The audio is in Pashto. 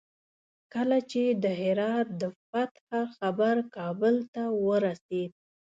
کله چې د هرات د فتح خبر کابل ته ورسېد.